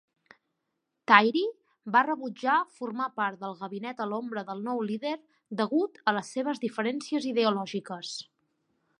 Tyrie va rebutjar formar part del gabinet a l'ombra del nou líder degut a les seves diferències ideològiques.